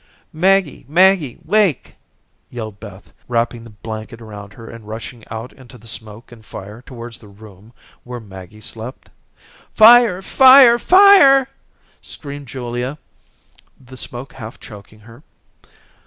"Maggie, Maggie, wake," yelled Beth, wrapping the blanket around her and rushing out into the smoke and fire towards the room where Maggie slept. "Fire, fire, fire," screamed Julia, the smoke half choking her.